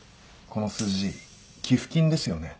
この数字寄付金ですよね。